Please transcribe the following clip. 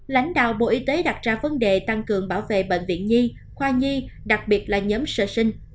lãnh đạo bộ y tế đặt ra vấn đề tăng cường bảo vệ bệnh viện nhi khoa nhi đặc biệt là nhóm sơ sinh